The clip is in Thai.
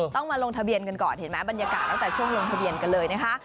ต้องมาลงทะเบียนกันก่อนเห็นไหมบรรยากาศตั้งแต่ช่วงลงทะเบียนกันเลยนะคะ